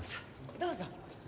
どうぞ。